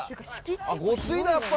あっ、ごっついな、やっぱ。